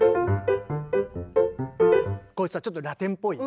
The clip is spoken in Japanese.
こういうちょっとラテンっぽい。ね？